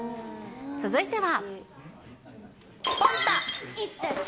続いては。